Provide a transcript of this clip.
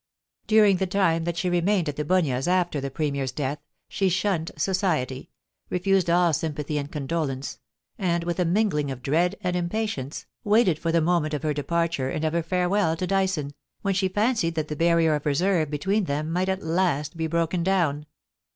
During the time that she remained at The Bunyas afta the Premier's death, she shunned societ>% refused ail sym pathy and condolence, and, with a mingling of dread and impatience, waited for the moment of her departure and of her farewell to Dyson, when she fancied that the barrier of reserve between them might at last be broken down.